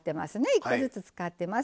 １個ずつ使ってます。